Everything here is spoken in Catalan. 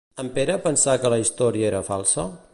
En Pere pensà que la història era falsa?